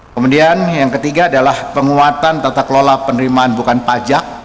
kemudian yang ketiga adalah penguatan tata kelola penerimaan bukan pajak